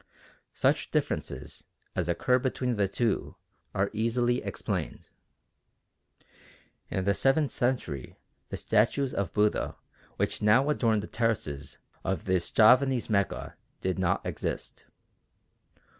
Such differences as occur between the two are easily explained. In the seventh century the statues of Buddha which now adorn the terraces of this Javanese Mecca did not exist.